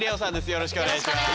よろしくお願いします。